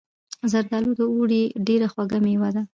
زردالو د اوړي ډیره خوږه میوه ده.